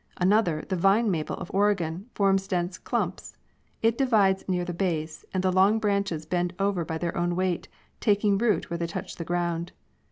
Another, the vine maple of Ore gon, forms dense clumps. It divides near the base and the long branches bend over by their own weight, taking root where they touch the ground.